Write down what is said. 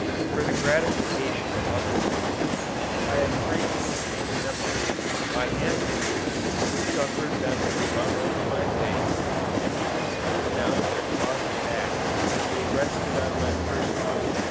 For the gratification of others, I have frequently taken them up, by handfuls, suffered them to run over my face, and even smoothed down their glossy backs as they rested on my person!